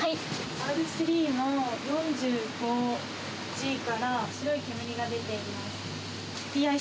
Ｒ３の４５Ｇから白い煙が出ています。